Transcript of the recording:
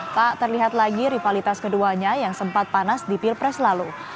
tak terlihat lagi rivalitas keduanya yang sempat panas di pilpres lalu